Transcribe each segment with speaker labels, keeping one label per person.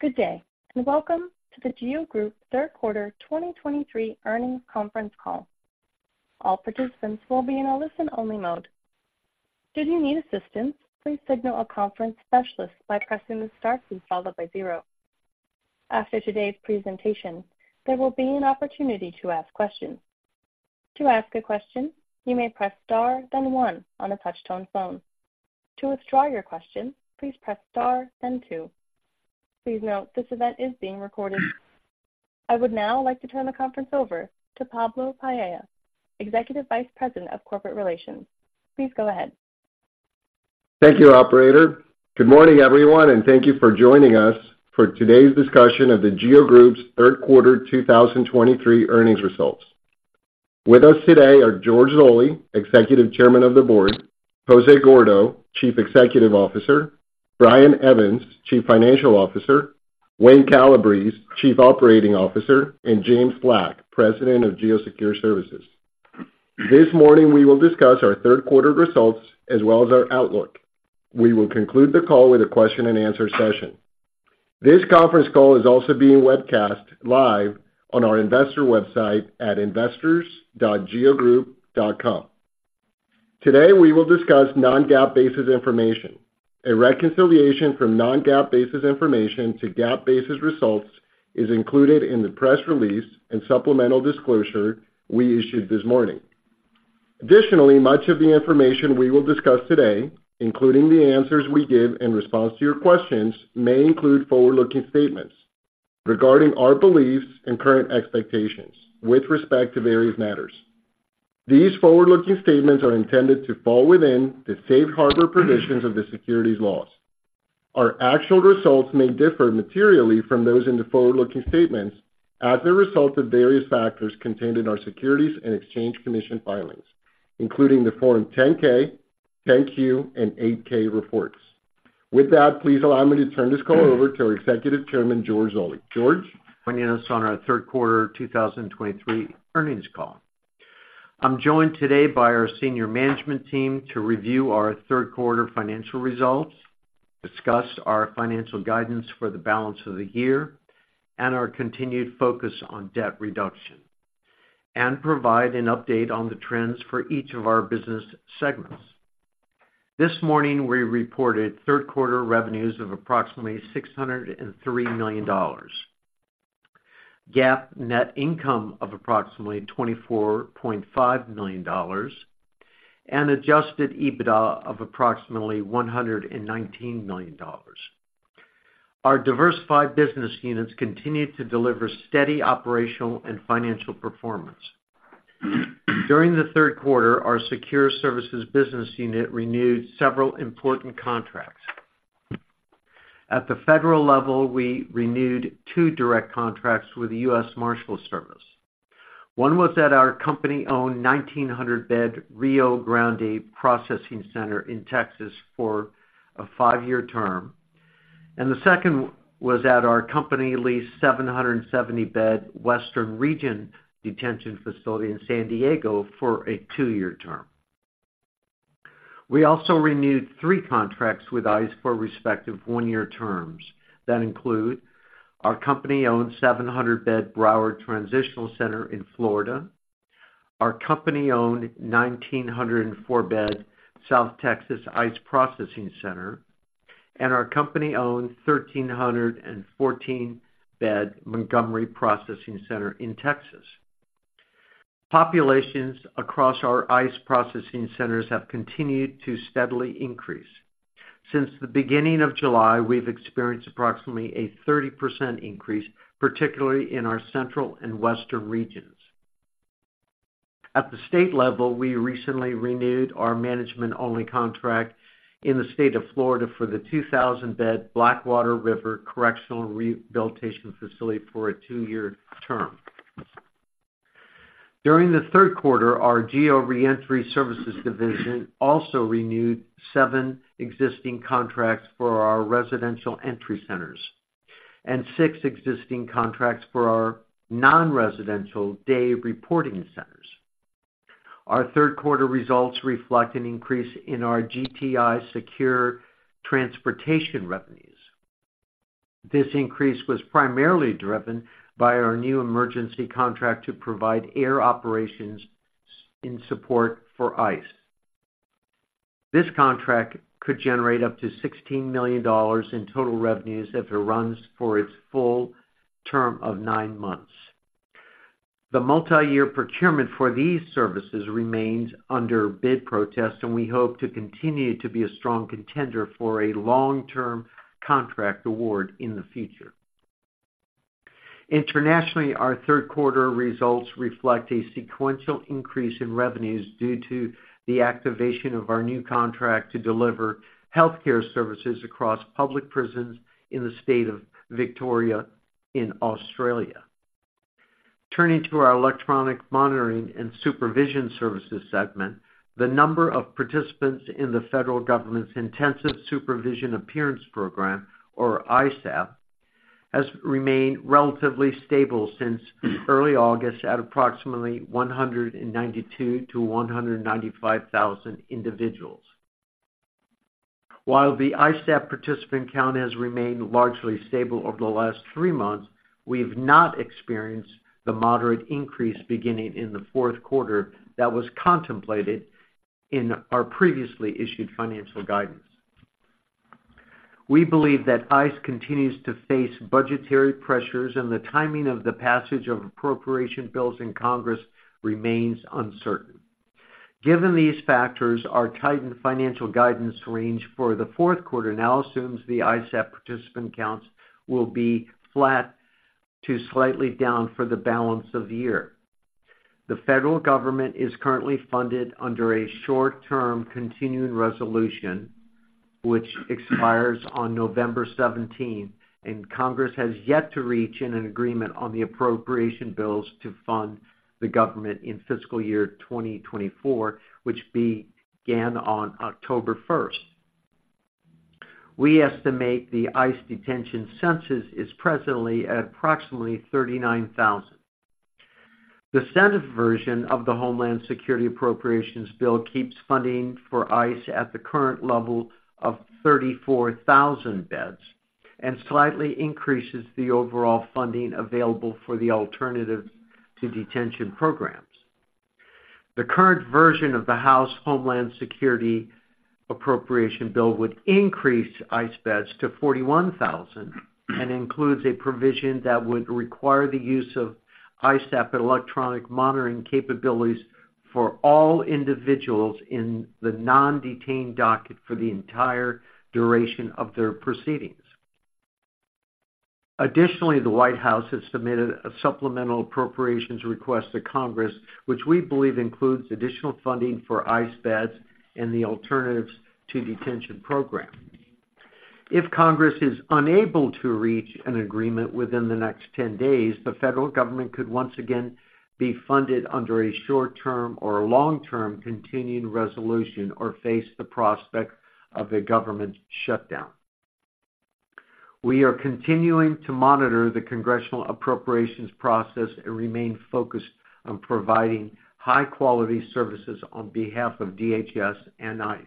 Speaker 1: Good day, and welcome to The GEO Group third quarter 2023 earnings conference call. All participants will be in a listen-only mode. Should you need assistance, please signal a conference specialist by pressing the star key, followed by zero. After today's presentation, there will be an opportunity to ask questions. To ask a question, you may press Star, then one on a touch-tone phone. To withdraw your question, please press star, then two. Please note, this event is being recorded. I would now like to turn the conference over to Pablo Paez, Executive Vice President of Corporate Relations. Please go ahead.
Speaker 2: Thank you, operator. Good morning, everyone, and thank you for joining us for today's discussion of the GEO Group's third quarter 2023 earnings results. With us today are George Zoley, Executive Chairman of the Board, Jose Gordo, Chief Executive Officer, Brian Evans, Chief Financial Officer, Wayne Calabrese, Chief Operating Officer, and James Black President of GEO Security Services Secure Services. this morning, we will discuss our third quarter results as well as our outlook. we will conclude the call with a question-and-answer session. this conference call is also being webcast live on our Investor website at investors.geogroup.com. Today, we will discuss non-GAAP basis information. A reconciliation from non-GAAP basis information to GAAP basis results is included in the press release and supplemental disclosure we issued this morning.
Speaker 3: Additionally, much of the information we will discuss today, including the answers we give in response to your questions, may include forward-looking statements regarding our beliefs and current expectations with respect to various matters. These forward-looking statements are intended to fall within the safe harbor provisions of the securities laws. Our actual results may differ materially from those in the forward-looking statements as a result of various factors contained in our Securities and Exchange Commission filings, including the Form 10-K, 10-Q, and 8-K reports. With that, please allow me to turn this call over to our Executive Chairman, George Zoley. George?
Speaker 4: Joining us on our third quarter 2023 earnings call. I'm joined today by our senior management team to review our third quarter financial results, discuss our financial guidance for the balance of the year, and our continued focus on debt reduction, and provide an update on the trends for each of our business segments. This morning, we reported third quarter revenues of approximately $603 million, GAAP net income of approximately $24.5 million, and adjusted EBITDA of approximately $119 million. Our diversified business unit continue to deliver steady operational and financial performance. During the third quarter Secure Services business unit renewed several important contracts. at the federal level, we renewed two direct contracts with the U.S. Marshals Service. One was at our company-owned 1,900-bed Rio Grande Processing Center in Texas for a five year term, and the second was at our company-leased 770-bed Western Region Detention Facility in San Diego for a two year term. We also renewed three contracts with ICE for respective one year terms that include our company-owned 700-bed Broward Transitional Center in Florida, our company-owned 1,904-bed South Texas ICE Processing Center, and our company-owned 1,314-bed Montgomery Processing Center in Texas. Populations across our ICE processing centers have continued to steadily increase. Since the beginning of July, we've experienced approximately a 30% increase, particularly in our central and western regions. At the state level, we recently renewed our management-only contract in the state of Florida for the 2,000-bed Blackwater River Correctional Rehabilitation Facility for a two year term. During the third quarter, our GEO Reentry Services division also renewed seven existing contracts for our residential reentry centers and six existing contracts for our non-residential day reporting centers. Our third quarter results reflect an increase in our GTI Secure Transportation revenues. This increase was primarily driven by our new emergency contract to provide air operations in support for ICE. This contract could generate up to $16 million in total revenues if it runs for its full term of nine months. The multi-year procurement for these services remains under bid protest, and we hope to continue to be a strong contender for a long-term contract award in the future. Internationally, our third quarter results reflect a sequential increase in revenues due to the activation of our new contract to deliver healthcare services across public prisons in the state of Victoria in Australia. Turning to our Electronic Monitoring and Supervision Services segment, the number of participants in the federal government's Intensive Supervision Appearance Program, or ISAP, has remained relatively stable since early August at approximately 192,000 individuals- 195,000 individuals. While the ISAP participant count has remained largely stable over the last three months, we've not experienced the moderate increase beginning in the fourth quarter that was contemplated in our previously issued financial guidance. We believe that ICE continues to face budgetary pressures, and the timing of the passage of appropriation bills in Congress remains uncertain. Given these factors, our tightened financial guidance range for the fourth quarter now assumes the ISAP participant counts will be flat to slightly down for the balance of the year. The federal government is currently funded under a short-term continuing resolution, which expires on November 17th, and Congress has yet to reach an agreement on the appropriation bills to fund the government in fiscal year 2024, which began on October 1st. We estimate the ICE detention census is presently at approximately 39,000. The Senate version of the Homeland Security Appropriations Bill keeps funding for ICE at the current level of 34,000 beds and slightly increases the overall funding available for the Alternatives to Detention programs. The current version of the House Homeland Security Appropriation Bill would increase ICE beds to 41,000 and includes a provision that would require the use of ISAP electronic monitoring capabilities for all individuals in the non-detained docket for the entire duration of their proceedings. Additionally, the White House has submitted a supplemental appropriations request to Congress, which we believe includes additional funding for ICE beds and the Alternatives to Detention program. If Congress is unable to reach an agreement within the next 10 days, the federal government could once again be funded under a short-term or long-term Continuing Resolution, or face the prospect of a government shutdown. We are continuing to monitor the congressional appropriations process and remain focused on providing high-quality services on behalf of DHS and ICE.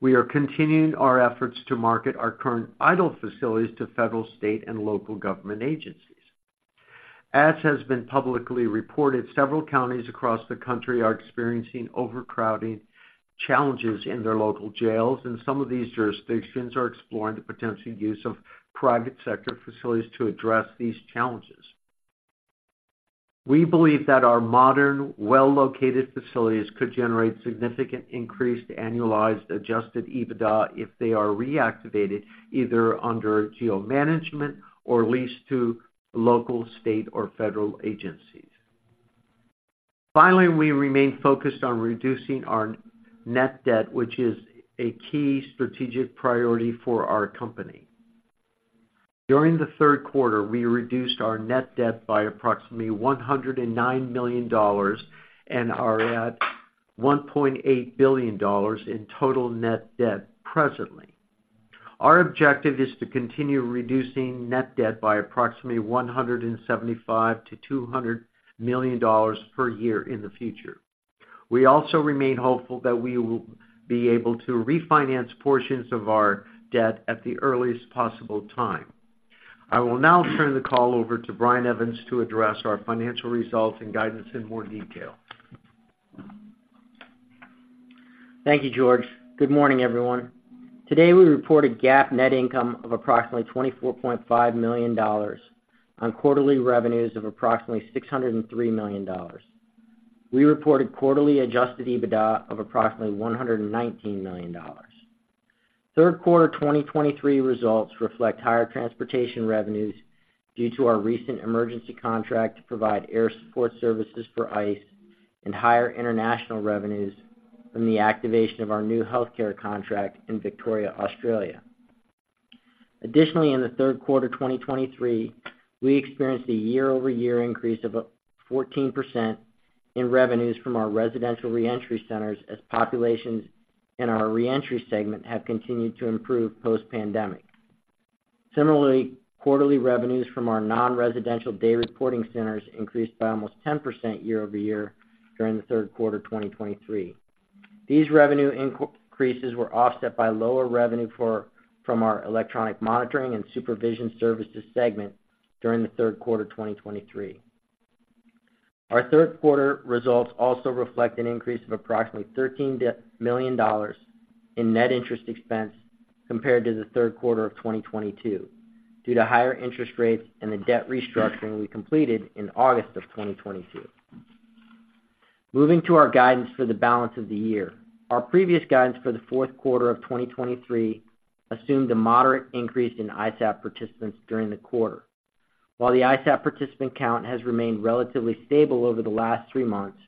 Speaker 4: We are continuing our efforts to market our current idle facilities to federal, state, and local government agencies. As has been publicly reported, several counties across the country are experiencing overcrowding challenges in their local jails, and some of these jurisdictions are exploring the potential use of private sector facilities to address these challenges. We believe that our modern, well-located facilities could generate significant increased annualized adjusted EBITDA if they are reactivated, either under GEO management or leased to local, state, or federal agencies. Finally, we remain focused on reducing our net debt, which is a key strategic priority for our company. During the third quarter, we reduced our net debt by approximately $109 million and are at $1.8 billion in total net debt presently. Our objective is to continue reducing net debt by approximately $175 million-$200 million per year in the future. We also remain hopeful that we will be able to refinance portions of our debt at the earliest possible time. I will now turn the call over to Brian Evans to address our financial results and guidance in more detail.
Speaker 5: Thank you, George. Good morning, everyone. Today, we reported GAAP net income of approximately $24.5 million on quarterly revenues of approximately $603 million. We reported quarterly adjusted EBITDA of approximately $119 million. Third quarter 2023 results reflect higher transportation revenues due to our recent emergency contract to provide air support services for ICE and higher international revenues from the activation of our new healthcare contract in Victoria, Australia. Additionally, in the third quarter 2023, we experienced a year-over-year increase of 14% in revenues from our residential reentry centers, as populations in our reentry segment have continued to improve post-pandemic. Similarly, quarterly revenues from our non-residential day reporting centers increased by almost 10% year-over-year during the third quarter, 2023. These revenue increases were offset by lower revenue from our Electronic Monitoring and Supervision Services segment during the third quarter, 2023. Our third quarter results also reflect an increase of approximately $13 million in net interest expense compared to the third quarter of 2022, due to higher interest rates and the debt restructuring we completed in August 2022. Moving to our guidance for the balance of the year. Our previous guidance for the fourth quarter of 2023 assumed a moderate increase in ISAP participants during the quarter. While the ISAP participant count has remained relatively stable over the last three months,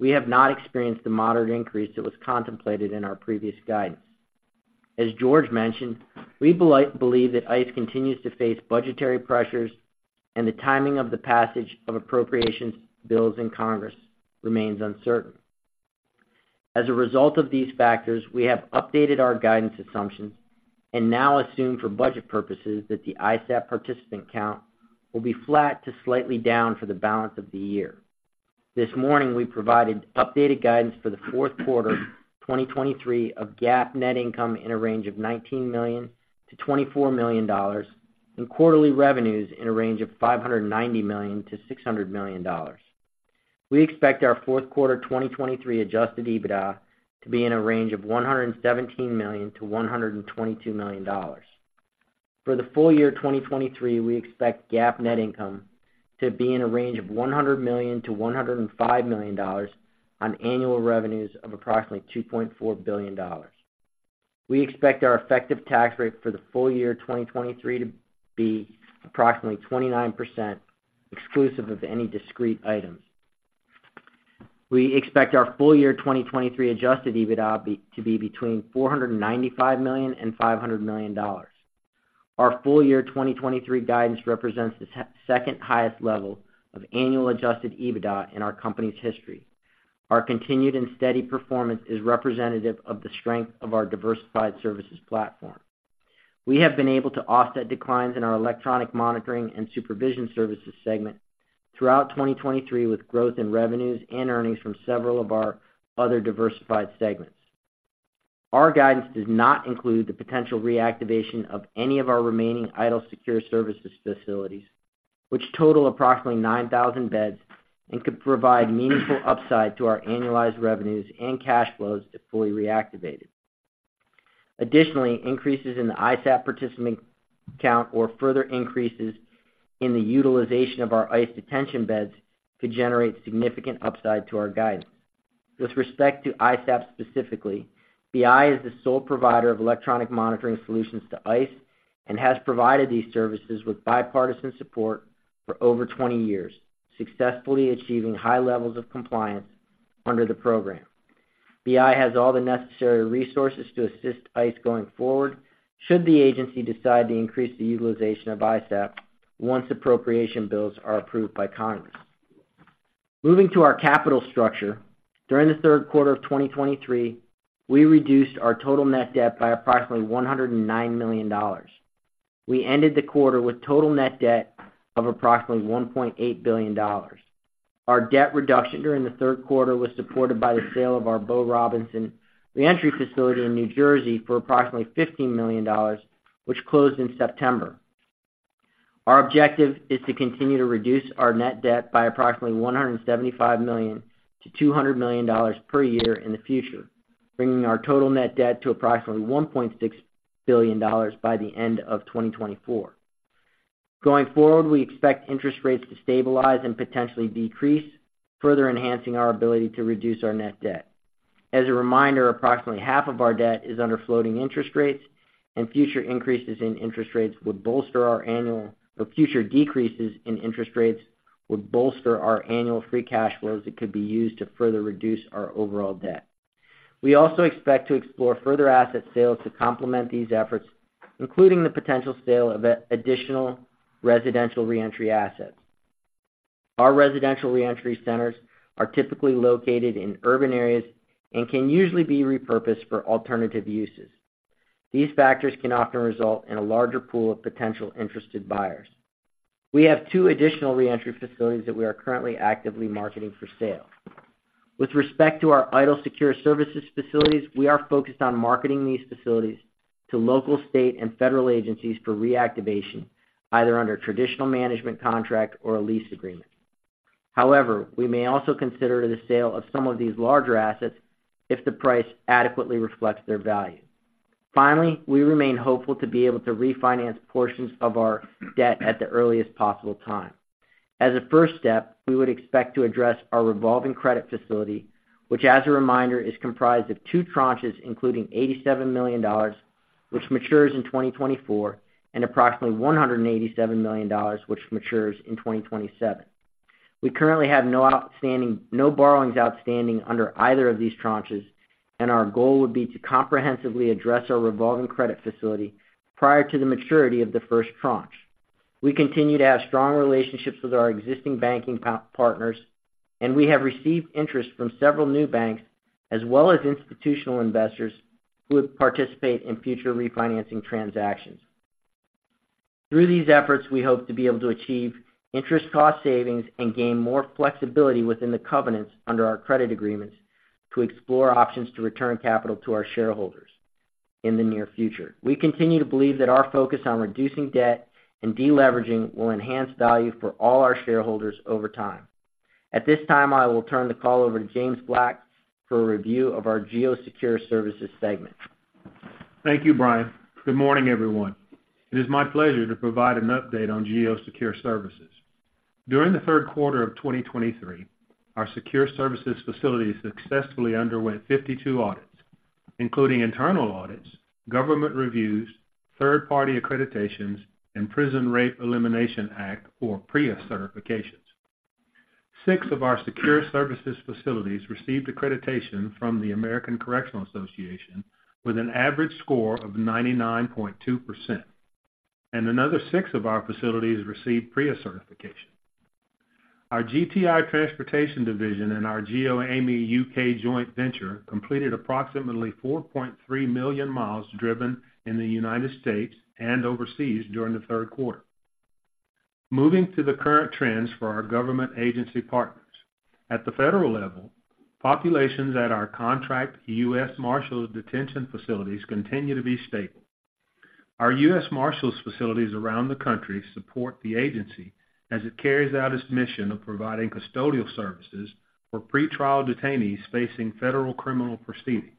Speaker 5: we have not experienced the moderate increase that was contemplated in our previous guidance. As George mentioned, we believe that ICE continues to face budgetary pressures, and the timing of the passage of appropriations bills in Congress remains uncertain. As a result of these factors, we have updated our guidance assumptions and now assume, for budget purposes, that the ICE ISAP participant count will be flat to slightly down for the balance of the year. This morning, we provided updated guidance for the fourth quarter 2023 of GAAP net income in a range of $19 million-$24 million, and quarterly revenues in a range of $590 million-$600 million. We expect our fourth quarter 2023 adjusted EBITDA to be in a range of $117 million-$122 million. For the full year 2023, we expect GAAP net income to be in a range of $100 million-$105 million on annual revenues of approximately $2.4 billion. We expect our effective tax rate for the full year 2023 to be approximately 29%, exclusive of any discrete items. We expect our full year 2023 adjusted EBITDA to be between $495 million and $500 million. Our full year 2023 guidance represents the second highest level of annual adjusted EBITDA in our company's history. Our continued and steady performance is representative of the strength of our diversified services platform. We have been able to offset declines in our Electronic Monitoring and Supervision Services segment throughout 2023, with growth in revenues and earnings from several of our other diversified segments. Secure Services facilities, which total approximately 9,000 beds and could provide meaningful upside to our annualized revenues and cash flows if fully reactivated. additionally, increases in the ISAP participant count or further increases in the utilization of our ICE detention beds could generate significant upside to our guidance. With respect to ISAP specifically, BI is the sole provider of electronic monitoring solutions to ICE and has provided these services with bipartisan support for over 20 years, successfully achieving high levels of compliance under the program. BI has all the necessary resources to assist ICE going forward, should the agency decide to increase the utilization of ISAP once appropriation bills are approved by Congress. Moving to our capital structure, during the third quarter of 2023, we reduced our total net debt by approximately $109 million. We ended the quarter with total net debt of approximately $1.8 billion. Our debt reduction during the third quarter was supported by the sale of our Bo Robinson reentry facility in New Jersey for approximately $15 million, which closed in September. Our objective is to continue to reduce our net debt by approximately $175 million-$200 million per year in the future, bringing our total net debt to approximately $1.6 billion by the end of 2024. Going forward, we expect interest rates to stabilize and potentially decrease, further enhancing our ability to reduce our net debt. As a reminder, approximately half of our debt is under floating interest rates, and future increases in interest rates would bolster our annual or future decreases in interest rates would bolster our annual free cash flows that could be used to further reduce our overall debt. We also expect to explore further asset sales to complement these efforts, including the potential sale of additional residential reentry assets. Our residential reentry centers are typically located in urban areas and can usually be repurposed for alternative uses. These factors can often result in a larger pool of potential interested buyers. We have two additional reentry facilities that we are currently actively marketing for sale. With respect to our Secure Services facilities, we are focused on marketing these facilities to local, state, and federal agencies for reactivation, either under a traditional management contract or a lease agreement. However, we may also consider the sale of some of these larger assets if the price adequately reflects their value. Finally, we remain hopeful to be able to refinance portions of our debt at the earliest possible time. As a first step, we would expect to address our revolving credit facility, which, as a reminder, is comprised of two tranches, including $87 million, which matures in 2024, and approximately $187 million, which matures in 2027. We currently have no borrowings outstanding under either of these tranches, and our goal would be to comprehensively address our revolving credit facility prior to the maturity of the first tranche. We continue to have strong relationships with our existing banking partners, and we have received interest from several new banks, as well as institutional investors who would participate in future refinancing transactions. Through these efforts, we hope to be able to achieve interest cost savings and gain more flexibility within the covenants under our credit agreements to explore options to return capital to our shareholders in the near future. We continue to believe that our focus on reducing debt and deleveraging will enhance value for all our shareholders over time. at this time, i will turn the call over to James Black for a review of our Secure Services segment.
Speaker 6: Secure Services facilities received accreditation from the American Correctional Association with an average score of 99.2%, and another six of our facilities received PREA certification. our GTI Transportation division and our GEOAmey U.K. joint venture completed approximately 4.3 million miles driven in the United States and overseas during third quarter, moving to the current trends for our government agency partners. At the federal level, populations at our contract U.S. Marshals detention facilities continue to be stable. Our U.S. Marshals facilities around the country support the agency as it carries out its mission of providing custodial services for pretrial detainees facing federal criminal proceedings.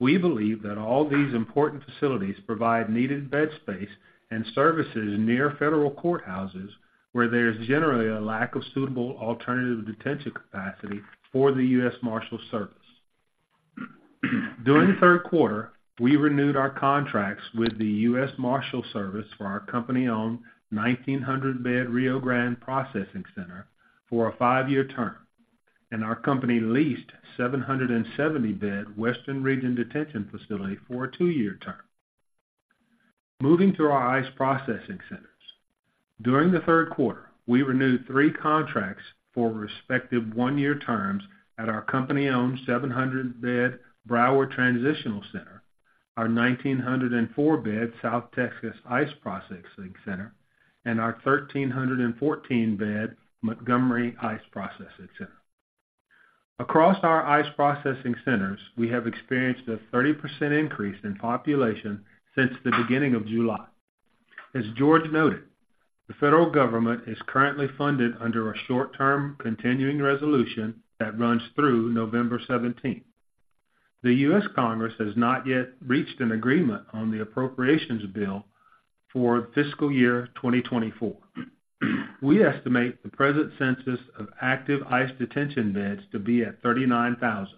Speaker 6: We believe that all these important facilities provide needed bed space and services near federal courthouses, where there's generally a lack of suitable alternative detention capacity for the U.S. Marshals Service. During the third quarter, we renewed our contracts with the U.S. Marshals Service for our company-owned 1,900-bed Rio Grande Processing Center for a five year term, and our company-leased 770-bed Western Region Detention Facility for a two year term. Moving to our ICE processing centers. During the third quarter, we renewed three contracts for respective one year terms at our company-owned 700-bed Broward Transitional Center, our 1,904-bed South Texas ICE Processing Center, and our 1,314-bed Montgomery ICE Processing Center. Across our ICE processing centers, we have experienced a 30% increase in population since the beginning of July. As George noted, the federal government is currently funded under a short-term Continuing Resolution that runs through November 17. The U.S. Congress has not yet reached an agreement on the appropriations bill for fiscal year 2024. We estimate the present census of active ICE detention beds to be at 39,000.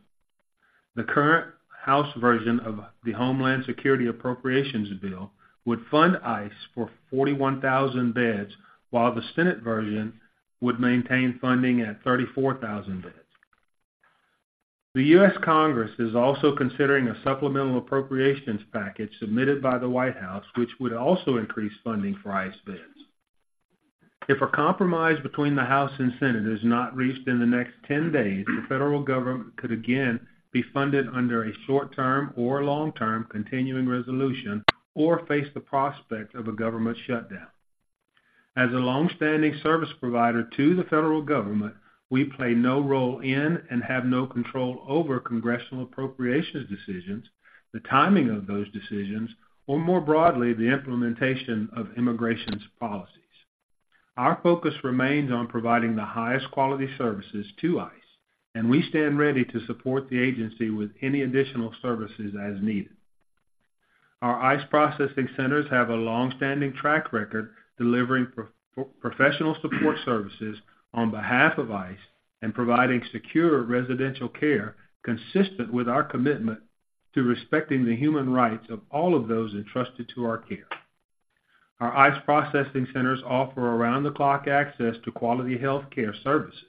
Speaker 6: The current House version of the Homeland Security Appropriations Bill would fund ICE for 41,000 beds, while the Senate version would maintain funding at 34,000 beds. The U.S. Congress is also considering a supplemental appropriations package submitted by the White House, which would also increase funding for ICE beds. If a compromise between the House and Senate is not reached in the next 10 days, the federal government could again be funded under a short-term or long-term continuing resolution, or face the prospect of a government shutdown. As a long-standing service provider to the federal government, we play no role in and have no control over congressional appropriations decisions, the timing of those decisions, or more broadly, the implementation of immigration policies. Our focus remains on providing the highest quality services to ICE, and we stand ready to support the agency with any additional services as needed. Our ICE processing centers have a long-standing track record delivering professional support services on behalf of ICE and providing secure residential care consistent with our commitment to respecting the human rights of all of those entrusted to our care. Our ICE processing centers offer around-the-clock access to quality healthcare services.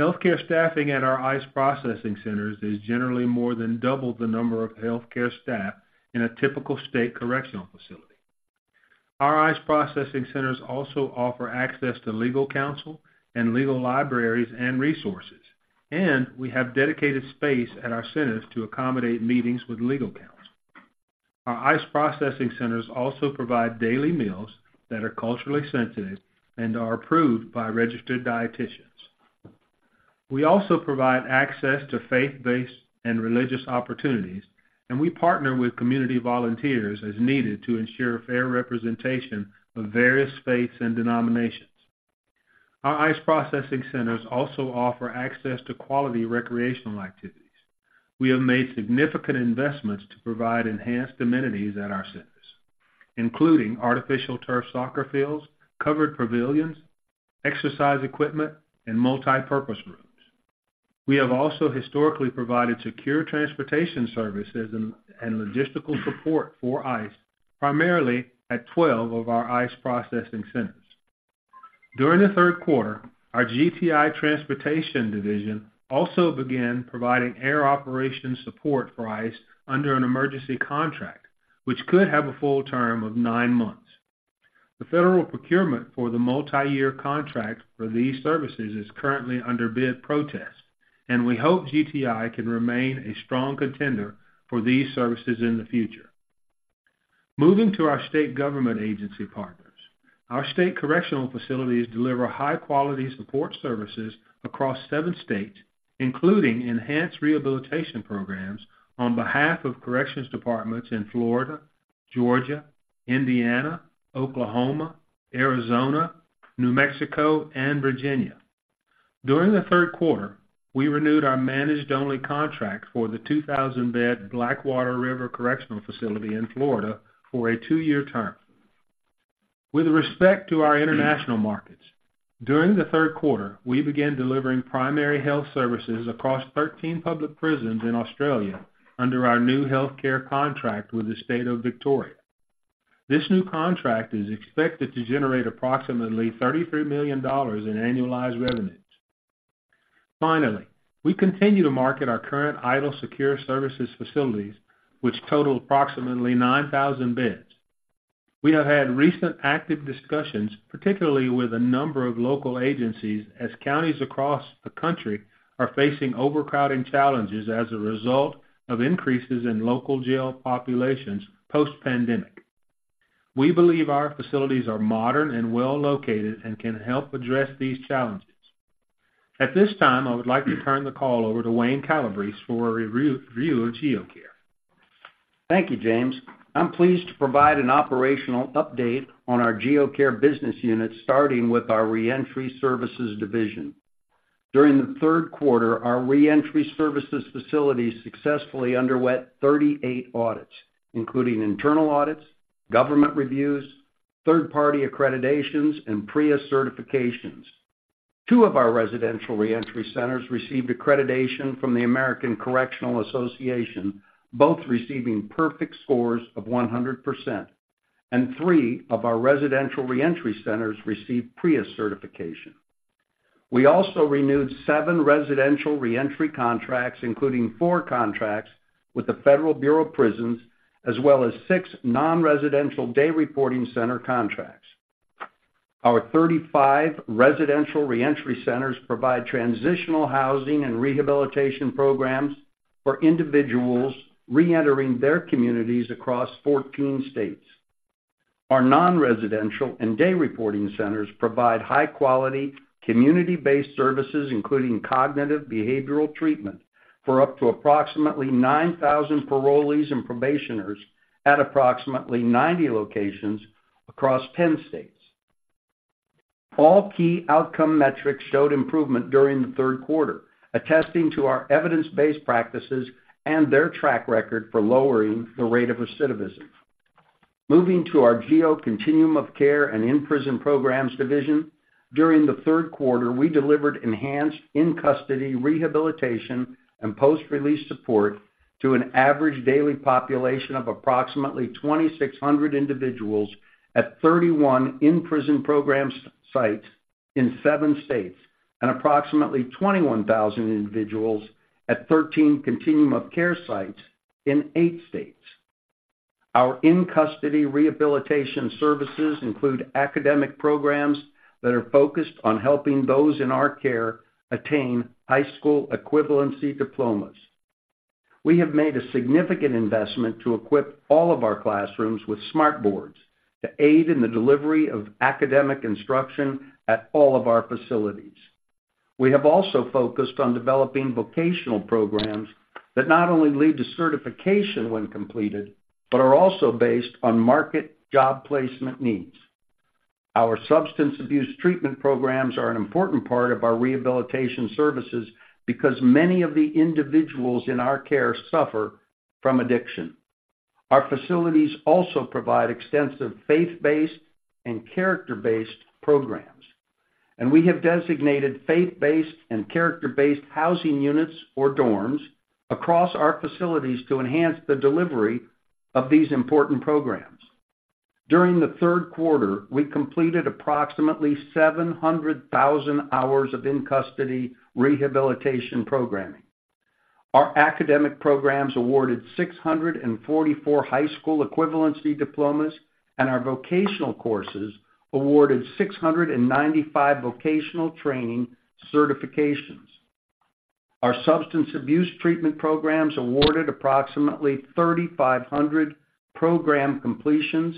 Speaker 6: Healthcare staffing at our ICE processing centers is generally more than double the number of healthcare staff in a typical state correctional facility. Our ICE processing centers also offer access to legal counsel and legal libraries and resources, and we have dedicated space at our centers to accommodate meetings with legal counsel. Our ICE processing centers also provide daily meals that are culturally sensitive and are approved by registered dietitians. We also provide access to faith-based and religious opportunities, and we partner with community volunteers as needed to ensure fair representation of various faiths and denominations. Our ICE processing centers also offer access to quality recreational activities. We have made significant investments to provide enhanced amenities at our centers, including artificial turf soccer fields, covered pavilions, exercise equipment, and multipurpose rooms. We have also historically provided secure transportation services and logistical support for ICE, primarily at 12 of our ICE processing centers. During the third quarter, our GTI Transportation division also began providing air operation support for ICE under an emergency contract, which could have a full term of nine months. The federal procurement for the multiyear contract for these services is currently under bid protest, and we hope GTI can remain a strong contender for these services in the future. Moving to our state government agency partners. Our state correctional facilities deliver high-quality support services across seven states, including enhanced rehabilitation programs on behalf of corrections departments in Florida, Georgia, Indiana, Oklahoma, Arizona, New Mexico, and Virginia. During the third quarter, we renewed our managed-only contract for the 2,000-bed Blackwater River Correctional Facility in Florida for a two year term. With respect to our international markets, during the third quarter, we began delivering primary health services across 13 public prisons in Australia under our new healthcare contract Secure Services facilities, which total approximately 9,000 beds. we have had recent active discussions, particularly with a number of local agencies, as counties across the country are facing overcrowding challenges as a result of increases in local jail populations post-pandemic. We believe our facilities are modern and well-located and can help address these challenges. At this time, I would like to turn the call over to Wayne Calabrese for a review of GEO Care.
Speaker 7: Thank you, James. I'm pleased to provide an operational update on our GEO Care business unit, starting with our Reentry Services division. During the third quarter, our Reentry Services facilities successfully underwent 38 audits, including internal audits, government reviews, third-party accreditations, and PREA certifications. Two of our residential reentry centers received accreditation from the American Correctional Association, both receiving perfect scores of 100%, and three of our residential reentry centers received PREA certification. We also renewed seven residential reentry contracts, including four contracts with the Federal Bureau of Prisons, as well as six nonresidential day reporting center contracts. Our 35 residential reentry centers provide transitional housing and rehabilitation programs for individuals reentering their communities across 14 states. Our nonresidential and day reporting centers provide high-quality, community-based services, including cognitive behavioral treatment, for up to approximately 9,000 parolees and probationers at approximately 90 locations across 10 states. All key outcome metrics showed improvement during the third quarter, attesting to our evidence-based practices and their track record for lowering the rate of recidivism. Moving to our GEO Continuum of Care and In-Prison Programs division, during the third quarter, we delivered enhanced in-custody rehabilitation and post-release support to an average daily population of approximately 2,600 individuals at 31 in-prison program sites in seven states, and approximately 21,000 individuals at 13 Continuum of Care sites in eight states. Our in-custody rehabilitation services include academic programs that are focused on helping those in our care attain high school equivalency diplomas. We have made a significant investment to equip all of our classrooms with smart boards to aid in the delivery of academic instruction at all of our facilities. We have also focused on developing vocational programs that not only lead to certification when completed, but are also based on market job placement needs. Our substance abuse treatment programs are an important part of our rehabilitation services because many of the individuals in our care suffer from addiction. Our facilities also provide extensive faith-based and character-based programs, and we have designated faith-based and character-based housing units or dorms across our facilities to enhance the delivery of these important programs. During the third quarter, we completed approximately 700,000 hours of in-custody rehabilitation programming. Our academic programs awarded 644 high school equivalency diplomas, and our vocational courses awarded 695 vocational training certifications. Our substance abuse treatment programs awarded approximately 3,500 program completions,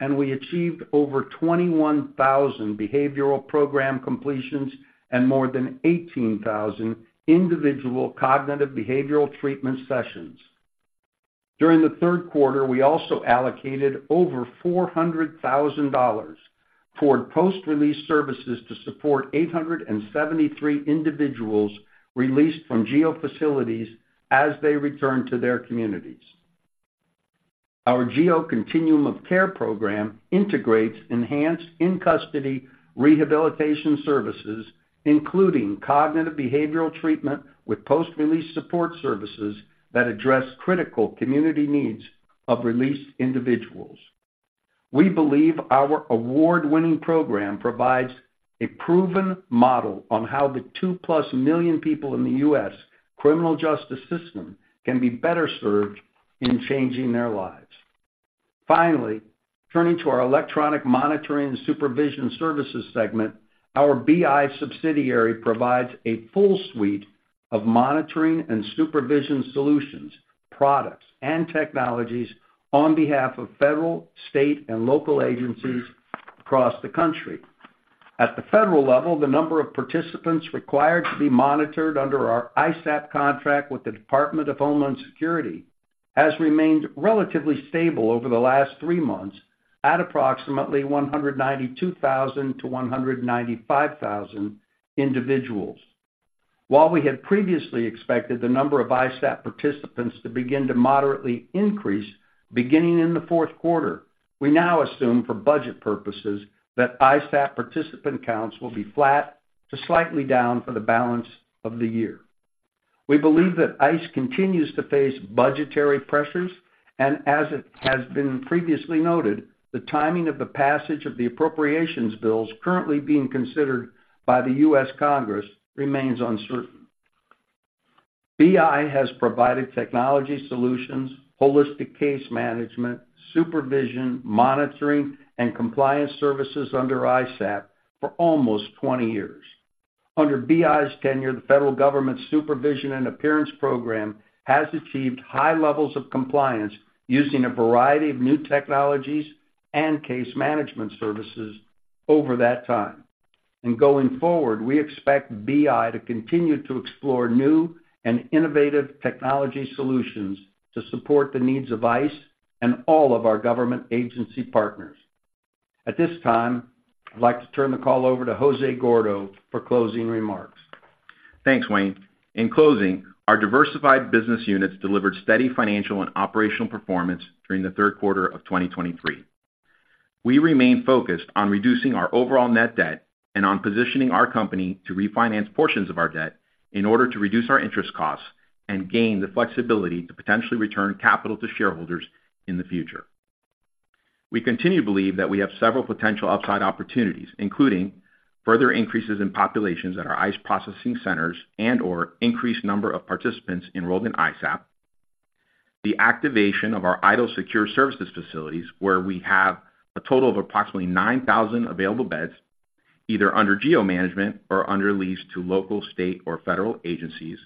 Speaker 7: and we achieved over 21,000 behavioral program completions and more than 18,000 individual cognitive behavioral treatment sessions. During the third quarter, we also allocated over $400,000 toward post-release services to support 873 individuals released from GEO facilities as they return to their communities. Our GEO Continuum of Care program integrates enhanced in-custody rehabilitation services, including cognitive behavioral treatment, with post-release support services that address critical community needs of released individuals. We believe our award-winning program provides a proven model on how the 2+ million people in the U.S. criminal justice system can be better served in changing their lives. Finally, turning to our Electronic Monitoring and Supervision Services segment, our BI subsidiary provides a full suite of monitoring and supervision solutions, products, and technologies on behalf of federal, state, and local agencies across the country. At the federal level, the number of participants required to be monitored under our ISAP contract with the Department of Homeland Security has remained relatively stable over the last three months at approximately 192,000 individuals-195,000 individuals. While we had previously expected the number of ISAP participants to begin to moderately increase beginning in the fourth quarter, we now assume, for budget purposes, that ISAP participant counts will be flat to slightly down for the balance of the year. We believe that ICE continues to face budgetary pressures, and as it has been previously noted, the timing of the passage of the appropriations bills currently being considered by the U.S. Congress remains uncertain. BI has provided technology solutions, holistic case management, supervision, monitoring, and compliance services under ISAP for almost 20 years. Under BI's tenure, the federal government's Supervision and Appearance Program has achieved high levels of compliance using a variety of new technologies and case management services over that time. Going forward, we expect BI to continue to explore new and innovative technology solutions to support the needs of ICE and all of our government agency partners. At this time, I'd like to turn the call over to Jose Gordo for closing remarks.
Speaker 8: Thanks, Wayne. In closing, our diversified business units delivered steady financial and operational performance during the third quarter of 2023. We remain focused on reducing our overall net debt and on positioning our company to refinance portions of our debt in order to reduce our interest costs and gain the flexibility to potentially return capital to shareholders in the future. We continue to believe that we have several Secure Services facilities, where we have a total of approximately 9,000 available beds, either under GEO management or under lease to local, state, or federal agencies,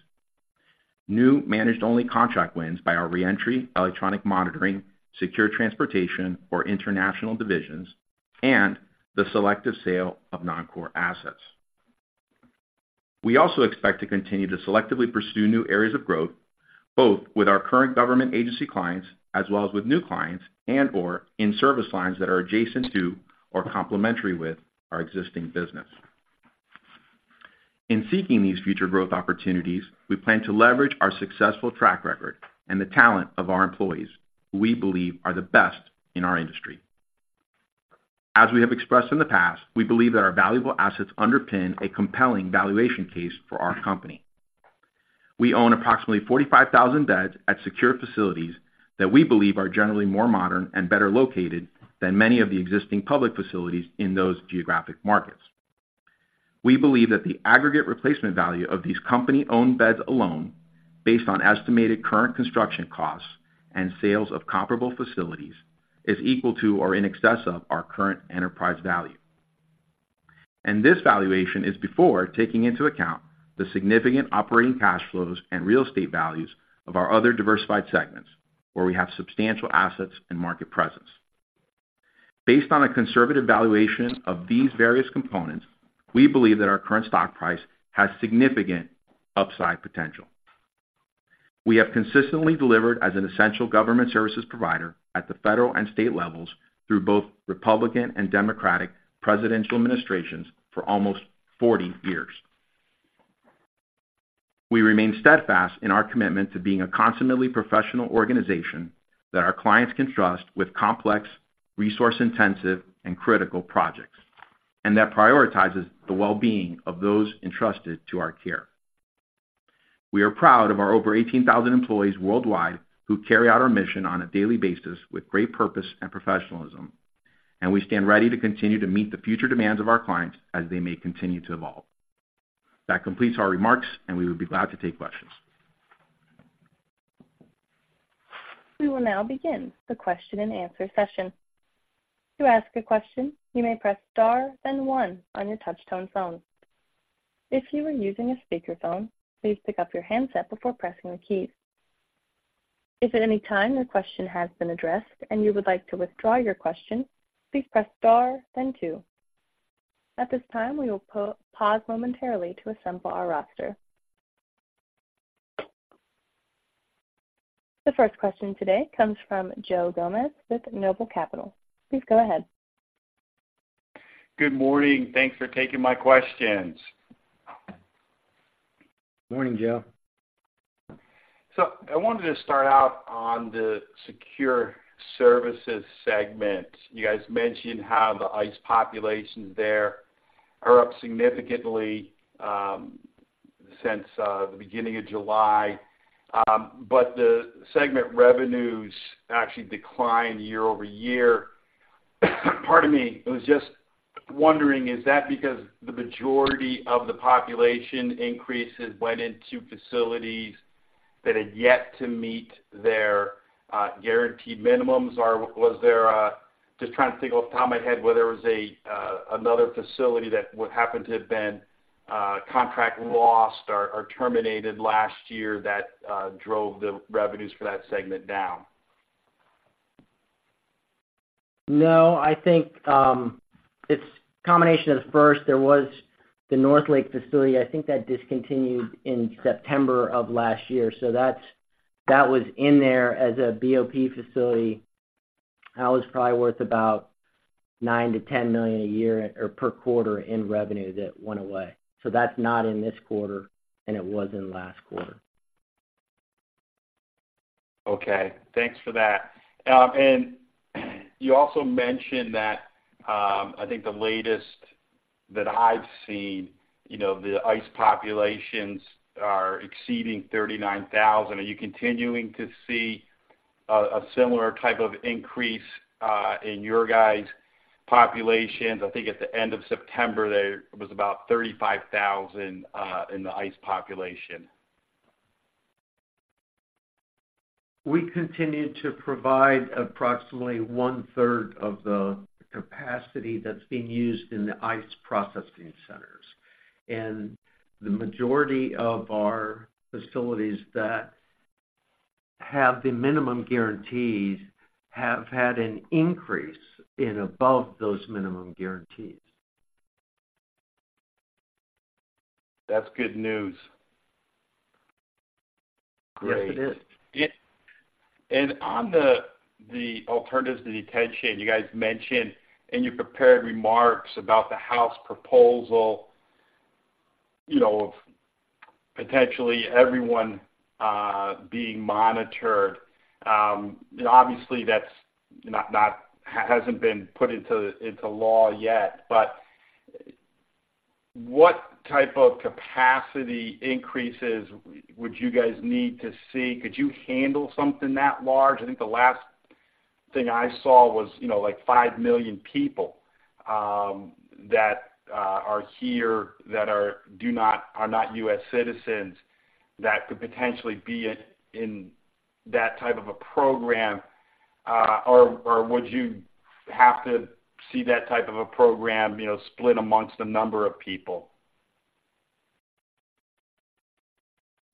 Speaker 8: new managed-only contract wins by our reentry, electronic monitoring, secure transportation, or international divisions, and the selective sale of non-core assets. We also expect to continue to selectively pursue new areas of growth, both with our current government agency clients, as well as with new clients and/or in service lines that are adjacent to or complementary with our existing business. In seeking these future growth opportunities, we plan to leverage our successful track record and the talent of our employees, who we believe are the best in our industry. As we have expressed in the past, we believe that our valuable assets underpin a compelling valuation case for our company. We own approximately 45,000 beds at secure facilities that we believe are generally more modern and better located than many of the existing public facilities in those geographic markets. We believe that the aggregate replacement value of these company-owned beds alone, based on estimated current construction costs and sales of comparable facilities, is equal to or in excess of our current enterprise value. This valuation is before taking into account the significant operating cash flows and real estate values of our other diversified segments, where we have substantial assets and market presence. Based on a conservative valuation of these various components, we believe that our current stock price has significant upside potential. We have consistently delivered as an essential government services provider at the federal and state levels through both Republican and Democratic presidential administrations for almost 40 years. We remain steadfast in our commitment to being a consummately professional organization that our clients can trust with complex, resource-intensive, and critical projects, and that prioritizes the well-being of those entrusted to our care. We are proud of our over 18,000 employees worldwide who carry out our mission on a daily basis with great purpose and professionalism, and we stand ready to continue to meet the future demands of our clients as they may continue to evolve. That completes our remarks, and we would be glad to take questions.
Speaker 1: We will now begin the question-and-answer session. To ask a question, you may press star, then one on your touchtone phone. If you are using a speakerphone, please pick up your handset before pressing the keys. If at any time your question has been addressed and you would like to withdraw your question, please press star, then two. At this time, we will pause momentarily to assemble our roster. The first question today comes from Joe Gomes with Noble Capital Markets. Please go ahead.
Speaker 9: Good morning. Thanks for taking my questions.
Speaker 5: Morning, Joe.
Speaker 9: Secure Services segment. you guys mentioned how the ICE populations there are up significantly, since the beginning of July, but the segment revenues actually declined year-over-year. pardon me. I was just wondering, is that because the majority of the population increases went into facilities that had yet to meet their guaranteed minimums? Or was there just trying to think off the top of my head, whether there was a another facility that would happen to have been contract lost or or terminated last year that drove the revenues for that segment down.
Speaker 5: No, I think, it's a combination of, first, there was the North Lake facility. I think that discontinued in September of last year, so that was in there as a BOP facility. That was probably worth about $9 million-$10 million a year or per quarter in revenue that went away. So that's not in this quarter, and it was in last quarter.
Speaker 9: Okay, thanks for that. You also mentioned that, I think the latest that I've seen, you know, the ICE populations are exceeding 39,000. Are you continuing to see a similar type of increase in your guys' populations? I think at the end of September, there was about 35,000 in the ICE population.
Speaker 4: We continue to provide approximately one-third of the capacity that's being used in the ICE processing centers. The majority of our facilities that have the minimum guarantees have had an increase in above those minimum guarantees.
Speaker 9: That's good news. Great.
Speaker 4: Yes, it is.
Speaker 9: On the alternatives to detention, you guys mentioned in your prepared remarks about the House proposal, you know, of potentially everyone being monitored. And obviously, that's not. Hasn't been put into law yet. But what type of capacity increases would you guys need to see? Could you handle something that large? I think the last thing I saw was, you know, like, 5 million people that are here, that are not U.S. citizens, that could potentially be in that type of a program, or would you have to see that type of a program, you know, split among a number of people?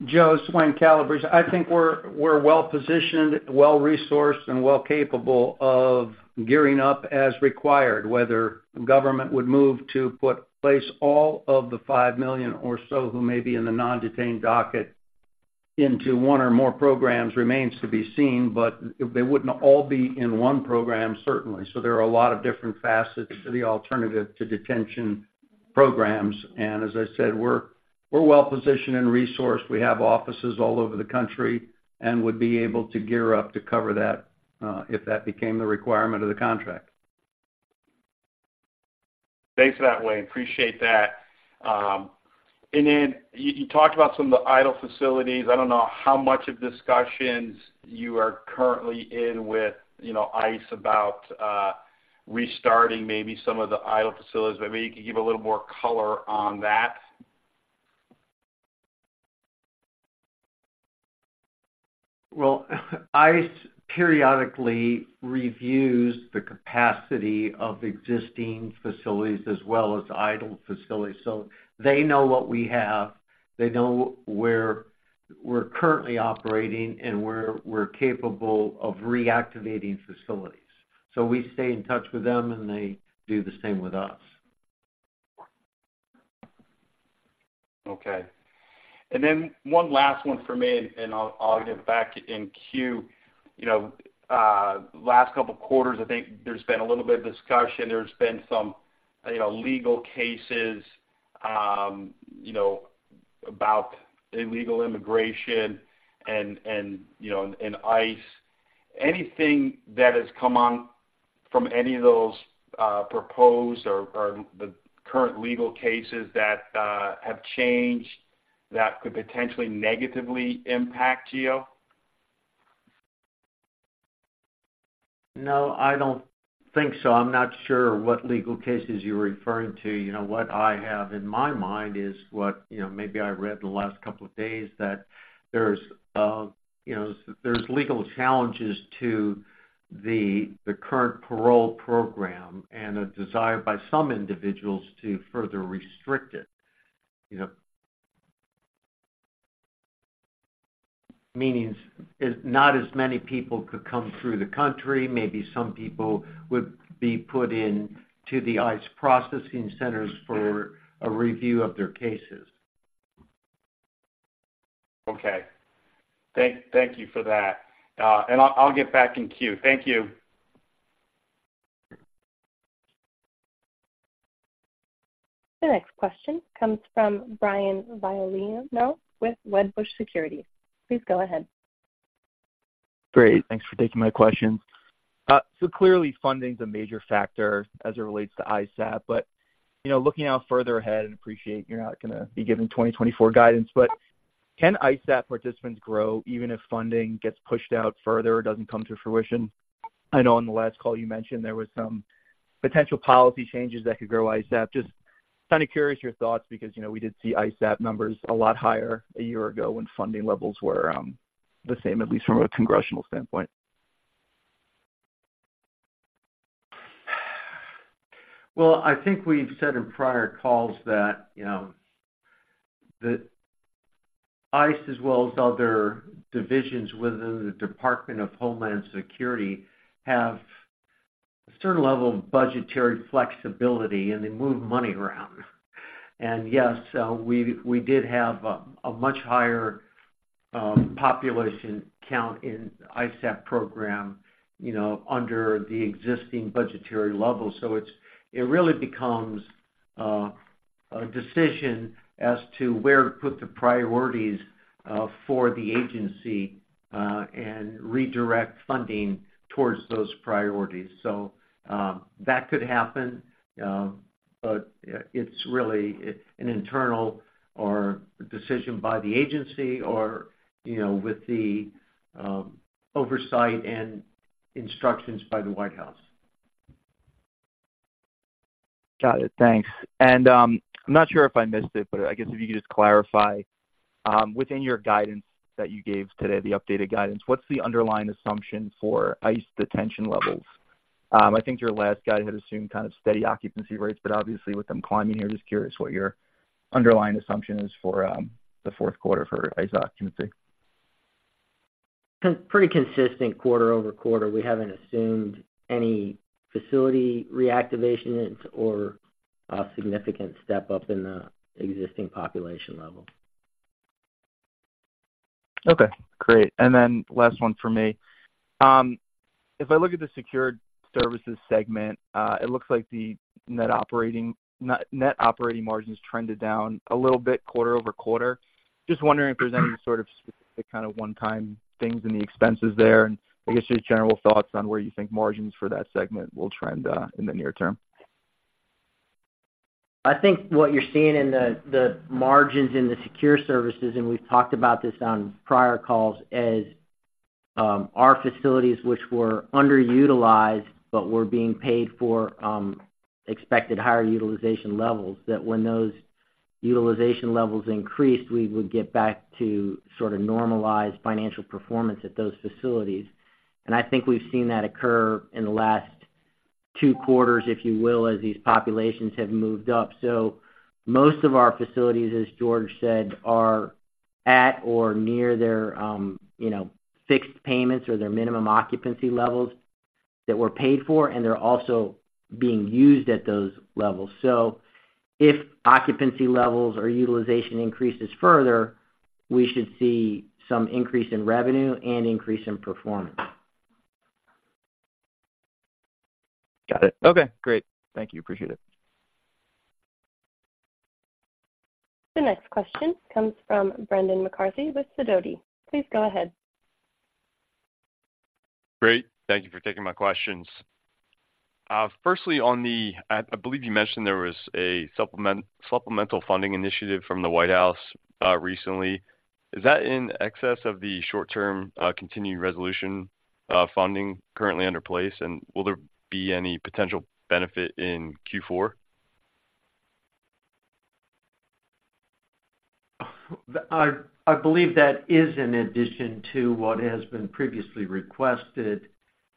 Speaker 7: Joe, this is Wayne Calabrese. I think we're well-positioned, well-resourced, and well capable of gearing up as required, whether government would move to put in place all of the 5 million or so who may be in the non-detained docket into one or more programs, remains to be seen, but they wouldn't all be in one program, certainly. So there are a lot of different facets to the alternatives to detention programs. And as I said, we're well positioned and resourced. We have offices all over the country and would be able to gear up to cover that, if that became the requirement of the contract.
Speaker 9: Thanks for that, Wayne. Appreciate that. And then you, you talked about some of the idle facilities. I don't know how much of discussions you are currently in with, you know, ICE, about, restarting maybe some of the idle facilities. Maybe you could give a little more color on that.
Speaker 7: Well, ICE periodically reviews the capacity of existing facilities as well as idle facilities, so they know what we have. They know where we're currently operating, and we're capable of reactivating facilities. So we stay in touch with them, and they do the same with us.
Speaker 9: Okay. And then one last one for me, and I'll get back in queue. You know, last couple of quarters, I think there's been a little bit of discussion. There's been some, you know, legal cases, you know, about illegal immigration and, you know, and ICE. Anything that has come on from any of those, proposed or the current legal cases that have changed, that could potentially negatively impact GEO?
Speaker 4: No, I don't think so. I'm not sure what legal cases you're referring to. You know, what I have in my mind is what, you know, maybe I read in the last couple of days, that there's, you know, there's legal challenges to the current parole program and a desire by some individuals to further restrict it. You know, meaning, is not as many people could come through the country, maybe some people would be put in to the ICE processing centers for a review of their cases.
Speaker 9: Okay. Thank you for that, and I'll get back in queue. Thank you.
Speaker 1: The next question comes from Brian Violino with Wedbush Securities. Please go ahead.
Speaker 2: Great, thanks for taking my questions. So clearly, funding's a major factor as it relates to ISAP, but, you know, looking out further ahead, and appreciate you're not going to be giving 2024 guidance, but can ISAP participants grow even if funding gets pushed out further or doesn't come to fruition? I know on the last call you mentioned there was some potential policy changes that could grow ISAP. Just kind of curious your thoughts because, you know, we did see ISAP numbers a lot higher a year ago when funding levels were, the same, at least from a congressional standpoint.
Speaker 4: Well, I think we've said in prior calls that, you know, that ICE, as well as other divisions within the Department of Homeland Security, have a certain level of budgetary flexibility, and they move money around. And yes, we did have a much higher population count in ISAP program, you know, under the existing budgetary level. So it really becomes a decision as to where to put the priorities for the agency and redirect funding towards those priorities. So, that could happen, but it's really an internal decision by the agency or, you know, with the oversight and instructions by the White House.
Speaker 2: Got it. Thanks. And, I'm not sure if I missed it, but I guess if you could just clarify, within your guidance that you gave today, the updated guidance, what's the underlying assumption for ICE detention levels? I think your last guide had assumed kind of steady occupancy rates, but obviously, with them climbing, I'm just curious what your underlying assumption is for, the fourth quarter for ISAP occupancy.
Speaker 5: Pretty consistent quarter-over-quarter. We haven't assumed any facility reactivation or a significant step up in the existing population level.
Speaker 2: Secure Services segment, it looks like the net operating margins trended down a little bit quarter-over-quarter. just wondering if there's any sort of specific kind of one-time things in the expenses there, and I guess just general thoughts on where you think margins for that segment will trend in the near term.
Speaker 5: Secure Services, and we've talked about this on prior calls, is our facilities, which were underutilized, but were being paid for, expected higher utilization levels, that when those utilization levels increased, we would get back to sort of normalized financial performance at those facilities. And I think we've seen that occur in the last two quarters, if you will, as these populations have moved up. So most of our facilities, as George said, are at or near their, you know, fixed payments or their minimum occupancy levels that were paid for, and they're also being used at those levels. So if occupancy levels or utilization increases further, we should see some increase in revenue and increase in performance.
Speaker 2: Got it. Okay, great. Thank you. Appreciate it.
Speaker 1: The next question comes from Brendan McCarthy with Sidoti. Please go ahead.
Speaker 10: Great, thank you for taking my questions. Firstly, on the I believe you mentioned there was a supplemental funding initiative from the White House recently. Is that in excess of the short-term continuing resolution funding currently in place? And will there be any potential benefit in Q4?
Speaker 4: I believe that is in addition to what has been previously requested,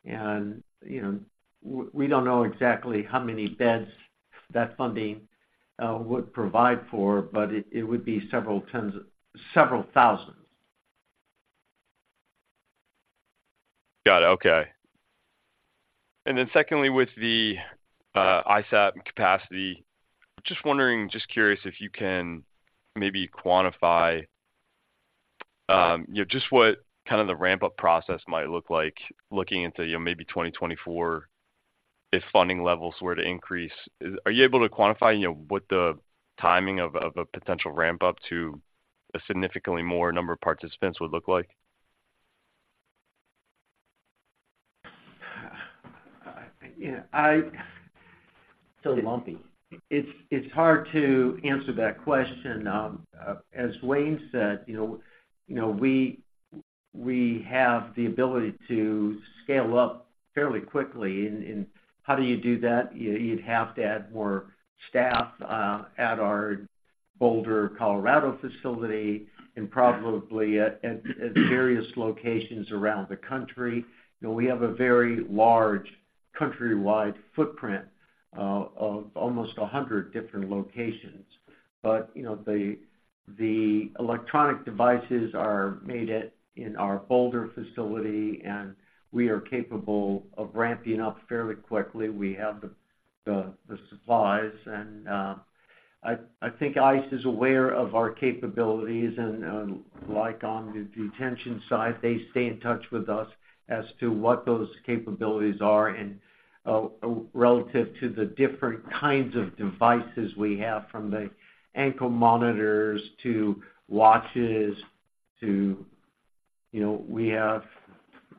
Speaker 4: and, you know, we don't know exactly how many beds that funding would provide for, but it would be several tens, several thousands.
Speaker 10: Got it. Okay. And then secondly, with the ISAP capacity, just wondering, just curious if you can maybe quantify, you know, just what kind of the ramp-up process might look like looking into, you know, maybe 2024, if funding levels were to increase. Are you able to quantify, you know, what the timing of a potential ramp-up to a significantly more number of participants would look like?
Speaker 4: Yeah, I-
Speaker 5: Fairly lumpy.
Speaker 4: It's hard to answer that question. As Wayne said, you know, you know, we have the ability to scale up fairly quickly. And how do you do that? You'd have to add more staff at our Boulder, Colorado, facility and probably at various locations around the country. You know, we have a very large countrywide footprint of almost 100 different locations. But you know, the electronic devices are made in our Boulder facility, and we are capable of ramping up fairly quickly. We have the supplies, and I think ICE is aware of our capabilities, and like on the detention side, they stay in touch with us as to what those capabilities are and relative to the different kinds of devices we have, from the ankle monitors to watches to, you know, we have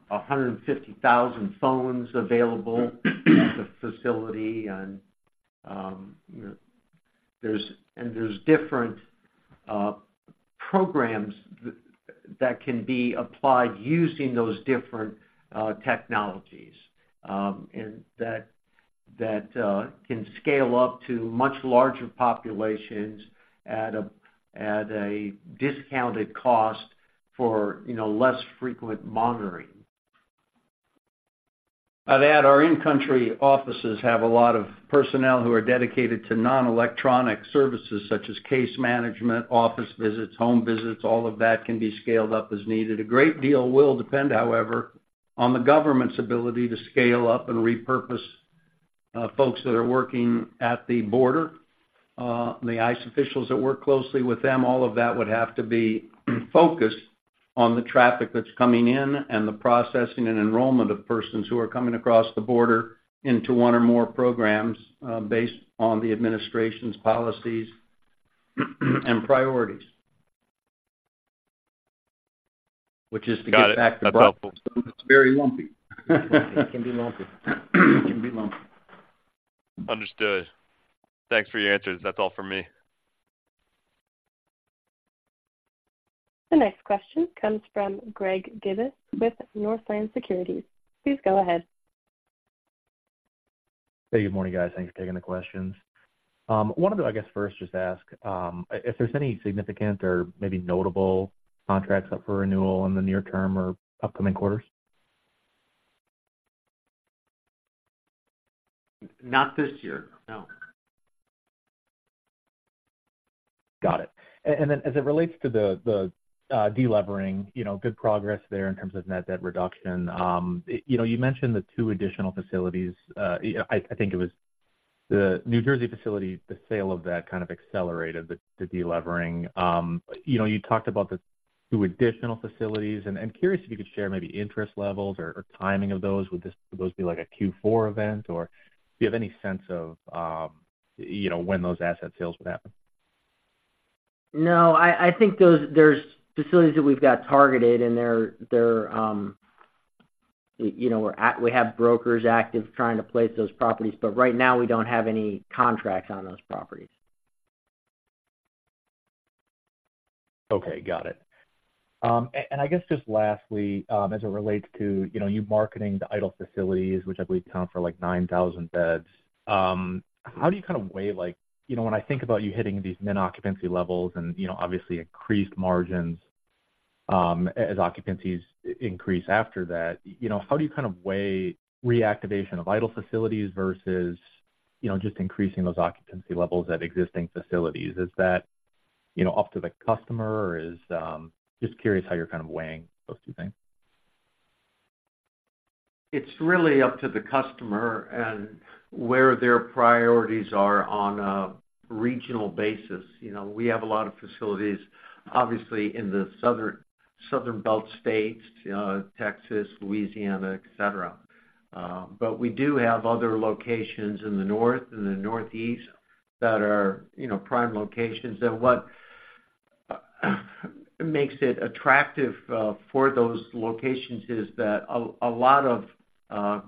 Speaker 4: 150,000 phones available at the facility. And you know, there's different programs that can be applied using those different technologies, and that can scale up to much larger populations at a discounted cost for, you know, less frequent monitoring.
Speaker 5: I'd add, our in-country offices have a lot of personnel who are dedicated to non-electronic services, such as case management, office visits, home visits. All of that can be scaled up as needed. A great deal will depend, however, on the government's ability to scale up and repurpose folks that are working at the border, the ICE officials that work closely with them. All of that would have to be focused on the traffic that's coming in and the processing and enrollment of persons who are coming across the border into one or more programs, based on the administration's policies and priorities. Which is to get back to-
Speaker 10: Got it. That's helpful.
Speaker 4: It's very lumpy.
Speaker 5: It can be lumpy. It can be lumpy.
Speaker 10: Understood. Thanks for your answers. That's all for me.
Speaker 1: The next question comes from Greg Gibas with Northland Securities. Please go ahead.
Speaker 11: Hey, good morning, guys. Thanks for taking the questions. Wanted to, I guess, first just ask if there's any significant or maybe notable contracts up for renewal in the near term or upcoming quarters?
Speaker 4: Not this year, no.
Speaker 11: Got it. And then as it relates to the de-levering, you know, good progress there in terms of Net Debt reduction. You know, you mentioned the two additional facilities, you know, I think it was the New Jersey facility, the sale of that kind of accelerated the de-levering. You know, you talked about the two additional facilities, and I'm curious if you could share maybe interest levels or timing of those. Would those be like a Q4 event, or do you have any sense of, you know, when those asset sales would happen?
Speaker 5: No, I think those, there's facilities that we've got targeted, and they're, you know, we're at, we have brokers active trying to place those properties, but right now, we don't have any contracts on those properties.
Speaker 11: Okay, got it. And I guess just lastly, as it relates to, you know, you marketing the idle facilities, which I believe count for, like, 9,000 beds, how do you kind of weigh, like, you know, when I think about you hitting these min occupancy levels and, you know, obviously increased margins, as occupancies increase after that, you know, how do you kind of weigh reactivation of idle facilities versus, you know, just increasing those occupancy levels at existing facilities? Is that, you know, up to the customer, or is just curious how you're kind of weighing those two things.
Speaker 4: It's really up to the customer and where their priorities are on a regional basis. You know, we have a lot of facilities, obviously, in the southern, southern belt states, Texas, Louisiana, et cetera. But we do have other locations in the north and the northeast that are, you know, prime locations. And what makes it attractive for those locations is that a lot of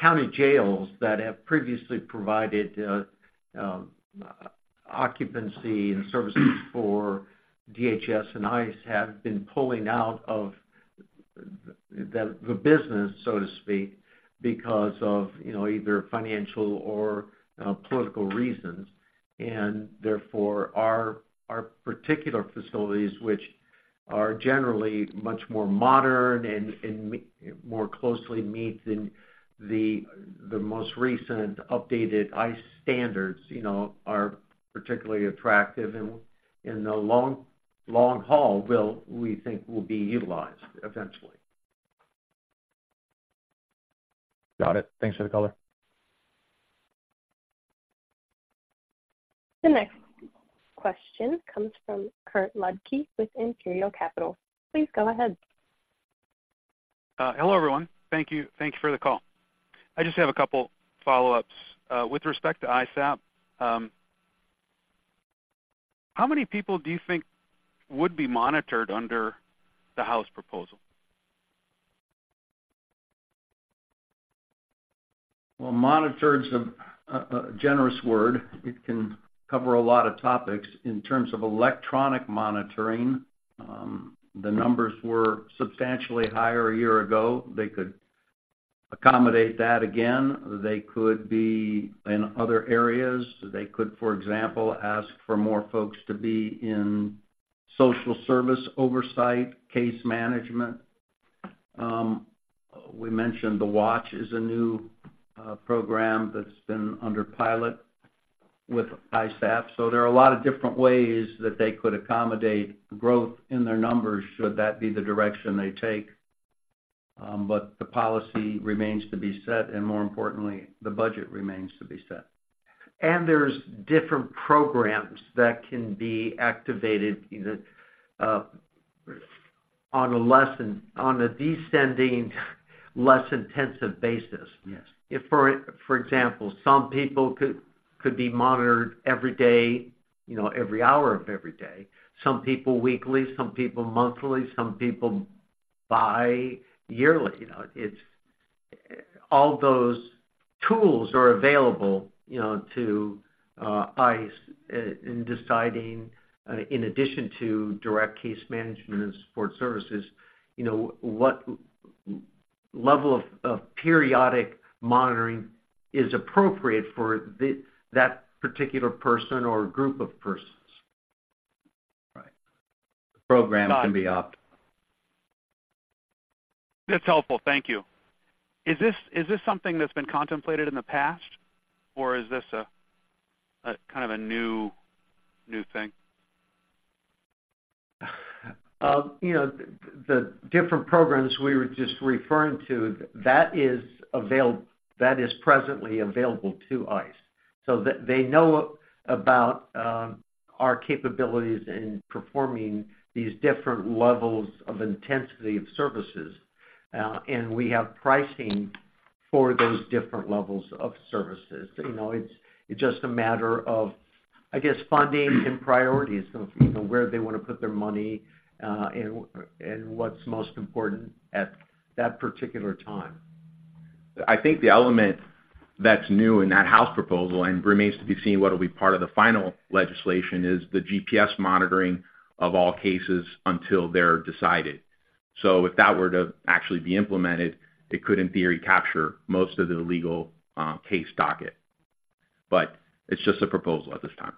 Speaker 4: county jails that have previously provided occupancy and services for DHS and ICE have been pulling out of the business, so to speak, because of, you know, either financial or political reasons. Therefore, our particular facilities, which are generally much more modern and more closely meet the most recent updated ICE standards, you know, are particularly attractive, and in the long haul, we think, will be utilized eventually.
Speaker 11: Got it. Thanks for the color.
Speaker 1: The next question comes from Kirk Ludtke with Imperial Capital. Please go ahead.
Speaker 12: Hello, everyone. Thank you. Thank you for the call. I just have a couple follow-ups. With respect to ISAP, how many people do you think would be monitored under the House proposal?
Speaker 4: Well, monitored is a generous word. It can cover a lot of topics. In terms of electronic monitoring, the numbers were substantially higher a year ago. They could accommodate that again. They could be in other areas. They could, for example, ask for more folks to be in social service oversight, case management. We mentioned the watch is a new program that's been under pilot with ISAP. So there are a lot of different ways that they could accommodate growth in their numbers, should that be the direction they take, but the policy remains to be set, and more importantly, the budget remains to be set. There's different programs that can be activated on a descending, less intensive basis. If, for example, some people could be monitored every day, you know, every hour of every day, some people weekly, some people monthly, some people bi-yearly. You know, it's all those tools are available, you know, to ICE in deciding, in addition to direct case management and support services, you know, what level of periodic monitoring is appropriate for that particular person or group of persons.
Speaker 12: Right.
Speaker 4: The program can be opt-
Speaker 12: That's helpful. Thank you. Is this, is this something that's been contemplated in the past, or is this a, a kind of a new, new thing?
Speaker 4: You know, the different programs we were just referring to, that is presently available to ICE. So they know about our capabilities in performing these different levels of intensity of services, and we have pricing for those different levels of services. You know, it's just a matter of, I guess, funding and priorities, you know, where they want to put their money, and what's most important at that particular time.
Speaker 5: I think the element that's new in that House proposal, and remains to be seen, what will be part of the final legislation, is the GPS monitoring of all cases until they're decided. So if that were to actually be implemented, it could, in theory, capture most of the legal case docket. But it's just a proposal at this time.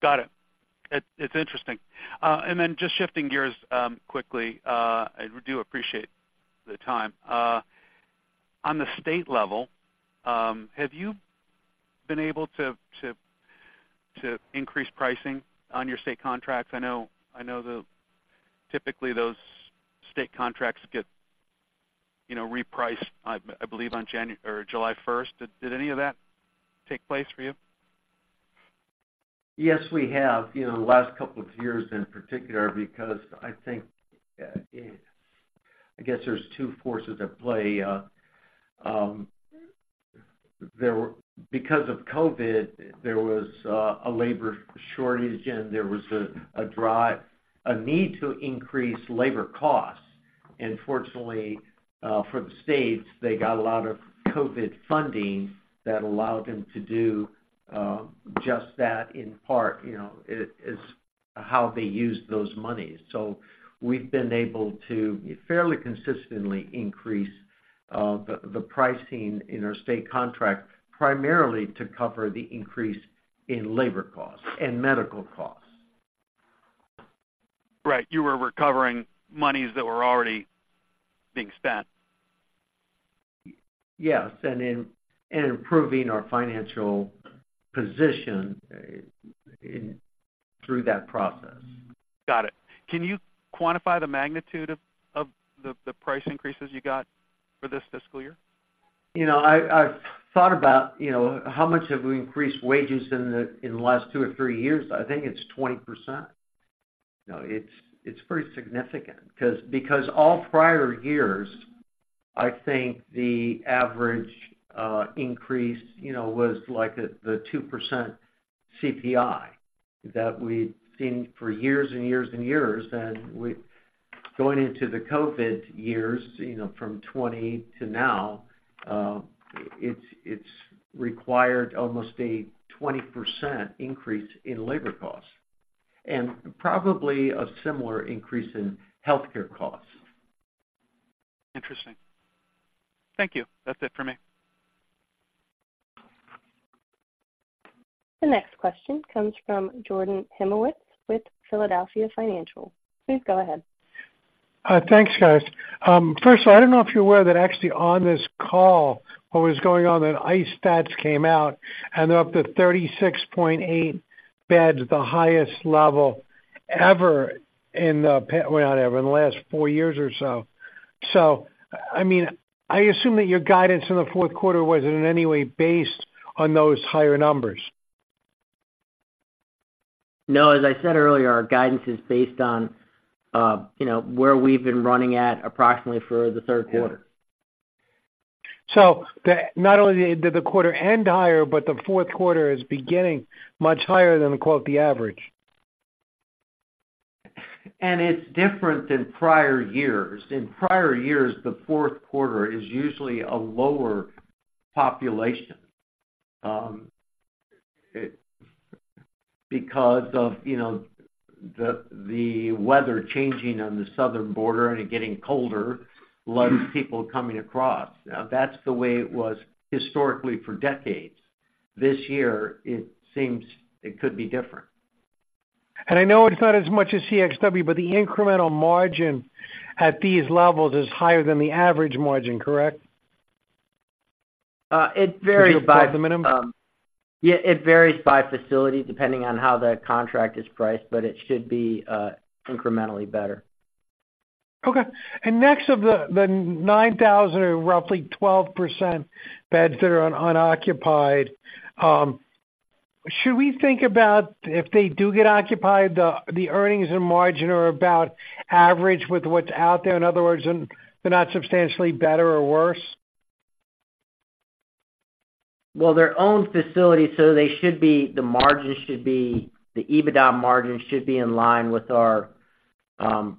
Speaker 12: Got it. It's interesting. And then just shifting gears quickly, I do appreciate the time. On the state level, have you been able to increase pricing on your state contracts? I know that typically those state contracts get, you know, repriced, I believe, on January or July 1st. Did any of that take place for you?
Speaker 4: Yes, we have, you know, the last couple of years in particular, because I think, I guess there's two forces at play. Because of COVID, there was a labor shortage, and there was a drive, a need to increase labor costs. And fortunately, for the states, they got a lot of COVID funding that allowed them to do just that, in part, you know, it is how they used those monies. So we've been able to fairly consistently increase the pricing in our state contract, primarily to cover the increase in labor costs and medical costs.
Speaker 12: Right. You were recovering monies that were already being spent.
Speaker 4: Yes, improving our financial position in, through that process.
Speaker 12: Got it. Can you quantify the magnitude of the price increases you got for this fiscal year?
Speaker 4: You know, I, I've thought about, you know, how much have we increased wages in the last two or three years? I think it's 20%. You know, it's pretty significant because all prior years, I think the average increase, you know, was like the 2% CPI that we'd seen for years and years and years. And we, going into the COVID years, you know, from 2020 to now, it's required almost a 20% increase in labor costs, and probably a similar increase in healthcare costs.
Speaker 12: Interesting. Thank you. That's it for me.
Speaker 1: The next question comes from Jordan Hymowitz with Philadelphia Financial. Please go ahead.
Speaker 13: Thanks, guys. First of all, I don't know if you're aware that actually on this call, what was going on, that ICE stats came out, and they're up to 36,800 beds, the highest level ever, well, not ever, in the last four years or so. So, I mean, I assume that your guidance in the fourth quarter wasn't in any way based on those higher numbers.
Speaker 5: No, as I said earlier, our guidance is based on, you know, where we've been running at approximately for the third quarter.
Speaker 13: Not only did the quarter end higher, but the fourth quarter is beginning much higher than, quote, "the average.
Speaker 4: It's different than prior years. In prior years, the fourth quarter is usually a lower population. Because of, you know, the weather changing on the southern border and it getting colder, less people coming across. Now, that's the way it was historically for decades. This year, it seems it could be different.
Speaker 13: I know it's not as much as CXW, but the incremental margin at these levels is higher than the average margin, correct?
Speaker 5: It varies by-
Speaker 13: Above the minimum.
Speaker 5: Yeah, it varies by facility, depending on how the contract is priced, but it should be incrementally better.
Speaker 13: Okay. Next, of the 9,000 or roughly 12% beds that are unoccupied, should we think about if they do get occupied, the earnings and margin are about average with what's out there? In other words, they're not substantially better or worse.
Speaker 5: Well, they're owned facilities, so they should be the margins should be, the EBITDA margins should be in line with our, you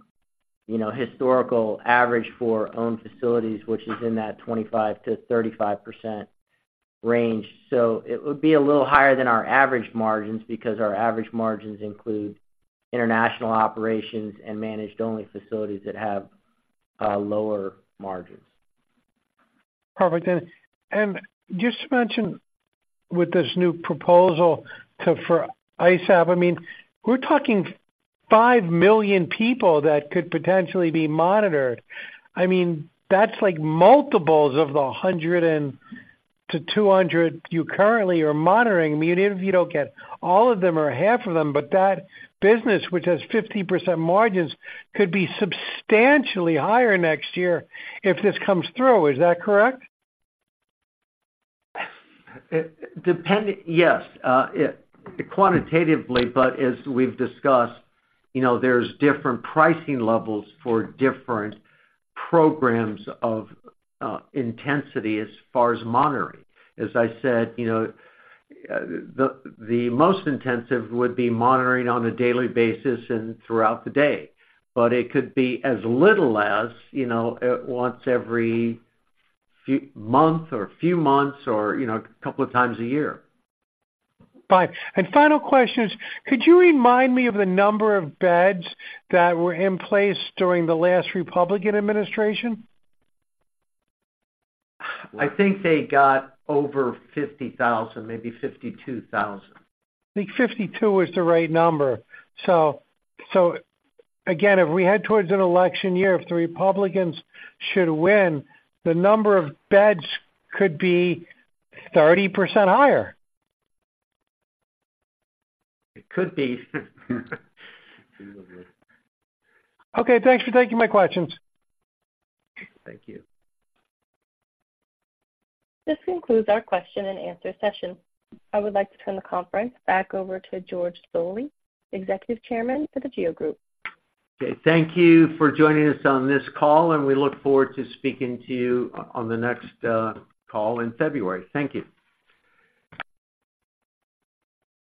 Speaker 5: know, historical average for owned facilities, which is in that 25%-35% range. So it would be a little higher than our average margins, because our average margins include international operations and managed-only facilities that have, lower margins.
Speaker 13: Perfect. And just to mention, with this new proposal for ISAP, I mean, we're talking 5 million people that could potentially be monitored. I mean, that's like multiples of the 100,000 people to 200,000 people you currently are monitoring. I mean, even if you don't get all of them or half of them, but that business, which has 50% margins, could be substantially higher next year if this comes through. Is that correct?
Speaker 4: Yes, it quantitatively, but as we've discussed, you know, there's different pricing levels for different programs of intensity as far as monitoring. As I said, you know, the most intensive would be monitoring on a daily basis and throughout the day, but it could be as little as, you know, once every few month or few months or, you know, a couple of times a year.
Speaker 13: Fine. Final question is, could you remind me of the number of beds that were in place during the last Republican administration?
Speaker 4: I think they got over 50,000 beds maybe 52,000 beds.
Speaker 13: I think 52,000 beds is the right number. So, so again, if we head towards an election year, if the Republicans should win, the number of beds could be 30% higher.
Speaker 4: It could be.
Speaker 13: Okay, thanks for taking my questions.
Speaker 4: Thank you.
Speaker 1: This concludes our question and answer session. I would like to turn the conference back over to George Zoley, Executive Chairman for The GEO Group.
Speaker 4: Okay, thank you for joining us on this call, and we look forward to speaking to you on the next call in February. Thank you.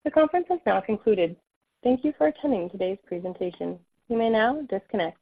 Speaker 1: The conference has now concluded. Thank you for attending today's presentation. You may now disconnect.